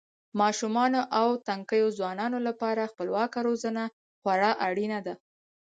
ماشومانو او تنکیو ځوانانو لپاره خپلواکه روزنه خورا اړینه ده.